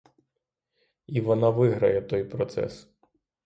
І вона виграє той процес.